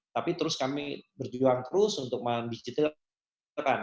tapi terus kami berjuang terus untuk mendigitalkan